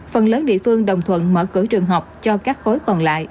phần lớn địa phương đồng thuận mở cửa trường học cho các khối còn lại